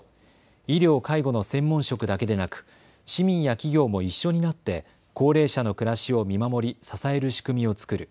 医療介護の専門職だけでなく市民や企業も一緒になって高齢者の暮らしを見守り支える仕組みを作る。